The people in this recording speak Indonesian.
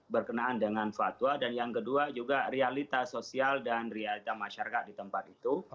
berkenaan dengan fatwa dan yang kedua juga realita sosial dan realita masyarakat di tempat itu